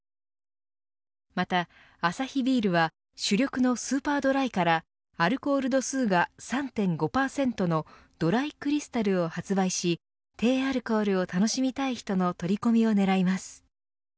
またアサヒビールは主力のスーパードライからアルコール度数が３．５％のドライクリスタルを発売し低アルコールを楽しみたい人の取り込みを狙います。